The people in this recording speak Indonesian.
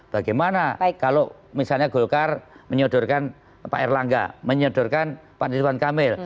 bagaimana kalau misalnya golkar menyodorkan pak erlangga menyodorkan pak ridwan kamil